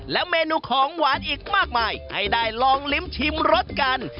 และเมนูของหวานอีกมากมายให้ได้ลองลิ้มชิมรสกัน